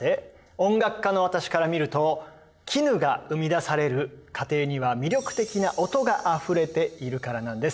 音楽家の私から見ると絹が生み出される過程には魅力的な音があふれているからなんです。